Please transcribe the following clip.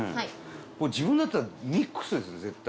自分だったらミックスですね絶対。